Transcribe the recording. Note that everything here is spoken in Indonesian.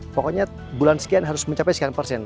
pokoknya bulan sekian harus mencapai sekian persen